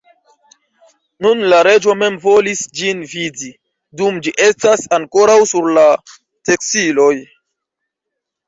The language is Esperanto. Nun la reĝo mem volis ĝin vidi, dum ĝi estas ankoraŭ sur la teksiloj.